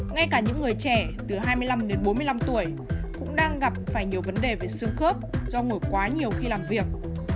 ngay cả những người trẻ từ hai mươi năm đến bốn mươi năm tuổi cũng đang gặp phải nhiều vấn đề về xương khớp do ngồi quá nhiều khi làm việc